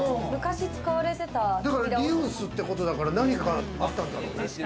だから、リユースってことだから何かあったんじゃ？